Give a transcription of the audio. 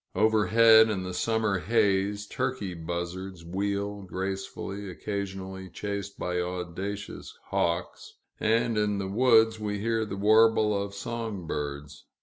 Overhead, in the summer haze, turkey buzzards wheel gracefully, occasionally chased by audacious hawks; and in the woods, we hear the warble of song birds.